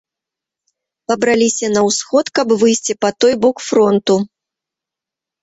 Пабраліся на ўсход, каб выйсці па той бок фронту.